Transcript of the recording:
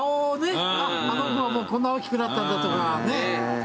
あっあの子がもうこんな大きくなったんだとかね。